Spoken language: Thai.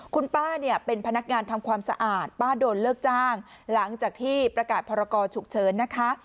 คุณป้าเนี่ยเป็นพนักงานทำความสะอาดป้าโดนเลิกจ้างหลังจากที่ประกาศพรกรฉุกเฉินนะคะ